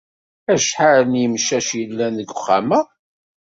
Acḥal n yimcac yellan deg uxxam-a?